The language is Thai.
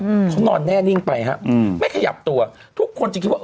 อืมเขานอนแน่นิ่งไปฮะอืมไม่ขยับตัวทุกคนจึงคิดว่า